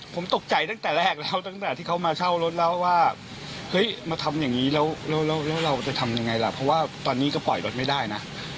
ผมตกใจตั้งแต่แรกแล้วตั้งแต่ที่เขามาเช่ารถแล้วว่าเฮ้ยมาทำอย่างนี้แล้วเราจะทำยังไงล่ะเพราะว่าตอนนี้ก็ปล่อยรถไม่ได้นะ